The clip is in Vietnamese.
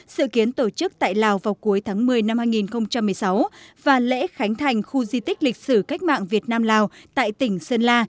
sự kiến tổ chức tại lào vào cuối tháng một mươi năm hai nghìn một mươi sáu và lễ khánh thành khu di tích lịch sử cách mạng việt nam lào tại tỉnh sơn la